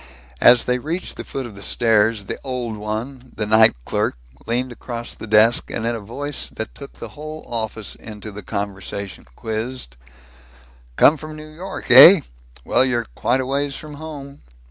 As they reached the foot of the stairs, the old one, the night clerk leaned across the desk and, in a voice that took the whole office into the conversation, quizzed, "Come from New York, eh? Well, you're quite a ways from home."